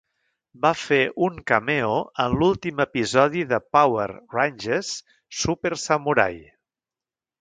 Va fer un cameo en l'últim episodi de Power Rangers Super Samurai.